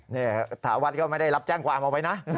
นี่ถาวัดก็ไม่ได้รับแจ้งความเอาไว้นะ